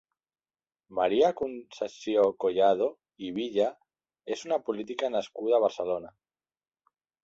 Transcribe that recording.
Maria Concepció Collado i Villa és una política nascuda a Barcelona.